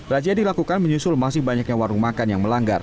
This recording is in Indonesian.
razia dilakukan menyusul masih banyaknya warung makan yang melanggar